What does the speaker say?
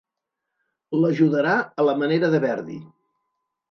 L'ajudarà a la manera de Verdi.